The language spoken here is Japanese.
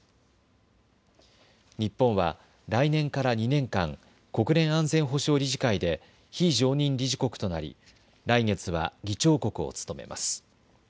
日本は来年から２年間、国連安全保障理事会で非常任理事国となり来月は議長国を務めます。